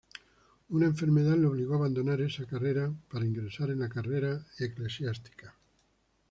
Una enfermedad le obligó a abandonar esta carrera para ingresar en la carrera eclesiástica.